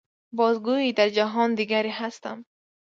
باز گوئی در جهان دیگری هستم.